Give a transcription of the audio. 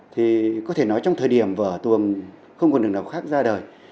thì có thể nói trong thời điểm vở tuồng không còn đường nào khác ra đời